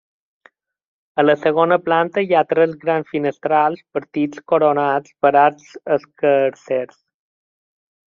A la segona planta hi ha tres grans finestrals partits coronats per arcs escarsers.